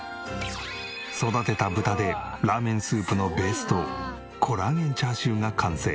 育てた豚でラーメンスープのベースとコラーゲンチャーシューが完成。